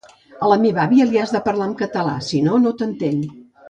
A meva àvia li has de parlar amb català sinó no t'entén